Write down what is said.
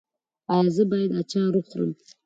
ایا زه باید اچار وخورم؟